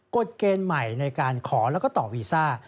กฎเกณฑ์ใหม่ในการขอแล้วก็ต่อวีซ่า